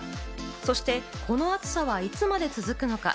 そして、この暑さはいつまで続くのか？